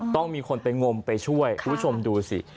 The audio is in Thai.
ต้องมีคนไปงมไปช่วยคุณผู้ชมดูสิ